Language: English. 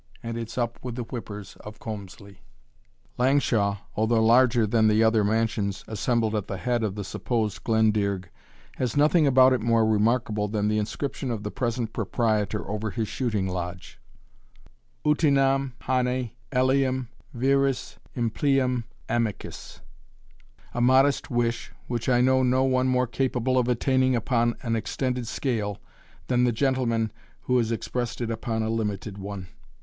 And it's up with the whippers of Colmslie. Langshaw, although larger than the other mansions assembled at the head of the supposed Glendearg, has nothing about it more remarkable than the inscription of the present proprietor over his shooting lodge Utinam hane eliam viris impleam amicis a modest wish, which I know no one more capable of attaining upon an extended scale, than the gentleman who has expressed it upon a limited one.